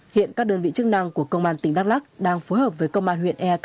hiện các đơn vị chức năng của công an tỉnh đắk lắc đang phối hợp với công an huyện eak